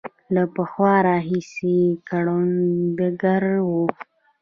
له پخوا راهیسې کروندګر وو.